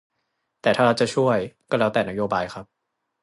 แต่ถ้ารัฐจะช่วย ก็แล้วแต่นโยบายครับ